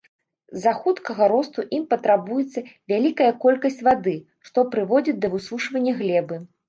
З-за хуткага росту ім патрабуецца вялікая колькасць вады, што прыводзіць да высушвання глебы.